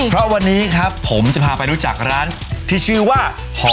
เพราะวันนี้ครับผมจะพาไปรู้จักร้านที่ชื่อว่าหอ